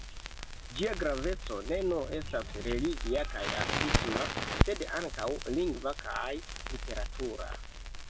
Ĝia graveco ne nur estas religia kaj artisma, sed ankaŭ lingva kaj literatura.